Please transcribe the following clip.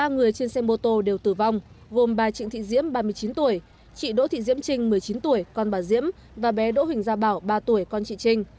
ba người trên xe mô tô đều tử vong gồm bà trịnh thị diễm ba mươi chín tuổi chị đỗ thị diễm trinh một mươi chín tuổi con bà diễm và bé đỗ huỳnh gia bảo ba tuổi con chị trinh